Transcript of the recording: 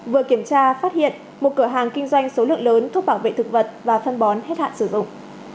vừa kiểm tra phát hiện một cửa hàng kinh doanh số lượng lớn thuốc bảo vệ thực vật và phân bón hết hạn sử dụng